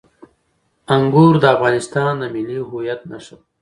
انګور د افغانستان د ملي هویت نښه ده.